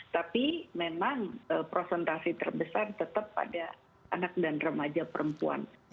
tapi memang prosentasi terbesar tetap pada anak dan remaja perempuan